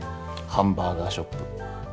ハンバーガーショップ。